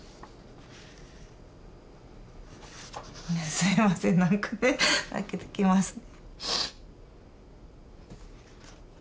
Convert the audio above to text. すいませんなんかね泣けてきますね。